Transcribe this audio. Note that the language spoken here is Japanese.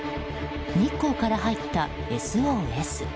日光から入ったＳＯＳ。